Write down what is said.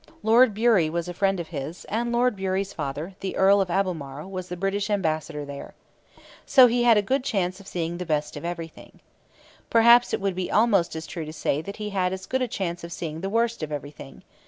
Lord Bury was a friend of his, and Lord Bury's father, the Earl of Albemarle, was the British ambassador there. So he had a good chance of seeing the best of everything. Perhaps it would be almost as true to say that he had as good a chance of seeing the worst of everything.